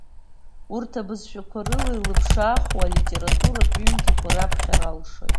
Урҭ абызшәақәа рыла илԥшааху алитературатә ҩымҭақәа раԥхьара алшоит.